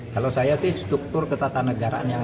kalau saya sih struktur ketatanegaraan yang